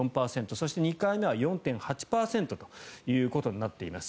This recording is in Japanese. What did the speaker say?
そして、２回目は４．８％ということになっています。